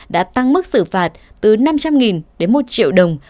đã tăng mức xử phạt từ năm trăm linh đến một triệu đồng